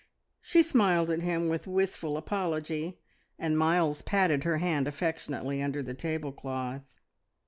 She smiled at him with wistful apology, and Miles patted her hand affectionately under the tablecloth.